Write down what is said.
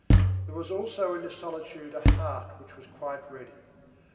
There was, also, in this solitude, a heart which was quite ready.